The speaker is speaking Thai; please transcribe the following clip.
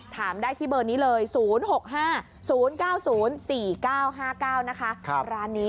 ถามได้ที่เบอร์นี้เลยศูนย์หกห้าศูนย์เก้าศูนย์สี่เก้าห้าเก้านะคะครับร้านนี้